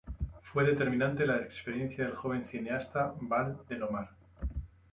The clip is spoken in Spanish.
Fue determinante la experiencia del joven cineasta Val del Omar.